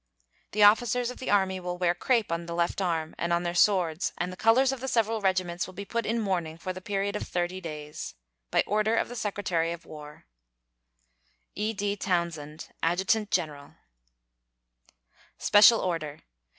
The officers of the Army will wear crape on the left arm and on their swords and the colors of the several regiments will be put in mourning for the period of thirty days. By order of the Secretary of War: E.D. TOWNSEND, Adjutant General. SPECIAL ORDER.